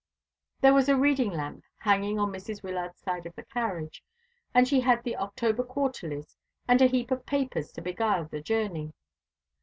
There was a reading lamp hanging on Mrs. Wyllard's side of the carriage, and she had the October Quarterlies and a heap of papers to beguile the journey.